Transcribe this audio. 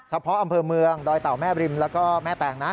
อำเภอเมืองดอยเต่าแม่บริมแล้วก็แม่แตงนะ